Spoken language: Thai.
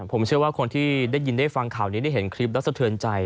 ผมเชื่อว่าคนที่ได้ยินได้ฟังข่าวนี้ได้เห็นคลิปแล้วสะเทือนใจ